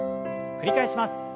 繰り返します。